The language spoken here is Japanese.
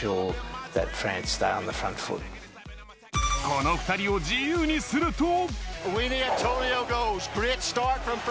この２人を自由にすると。